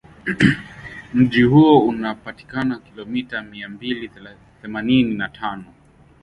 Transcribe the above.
Mji huo unapatikana kilomita mia mbili themanini na tano